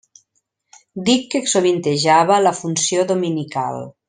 Dic que sovintejava la funció dominical.